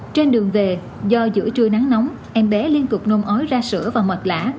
trên đường về do giữa trưa nắng nóng em bé liên cực nôn ói ra sữa và mệt lã